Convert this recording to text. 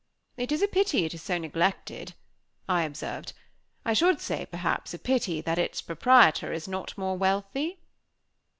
"It is a pity it is so neglected," I observed. "I should say, perhaps, a pity that its proprietor is not more wealthy?"